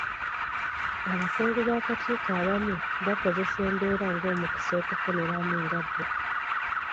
Abakungu b'akakiiko abamu bakozesa embeera ng'omukisa okufuniramu nga bo.